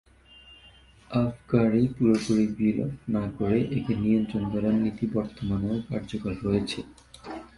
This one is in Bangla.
আবকারি পুরোপুরি বিলোপ না করে একে নিয়ন্ত্রণ করার নীতি বর্তমানেও কার্যকর রয়েছে।